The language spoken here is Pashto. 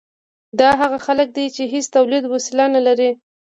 دا هغه خلک دي چې هیڅ تولیدي وسیله نلري.